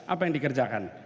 apa yang dikerjakan